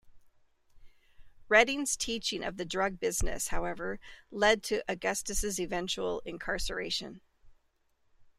Redding's teaching of the drug business however led to Augustus' eventual incarceration.